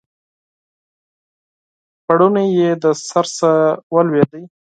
پوړنی یې د سر څخه ولوېدی